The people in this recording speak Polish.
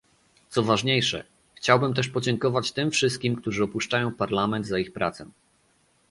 Co ważniejsze, chciałbym też podziękować tym wszystkim, którzy opuszczają Parlament, za ich pracę